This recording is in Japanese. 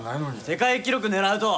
世界記録狙うと。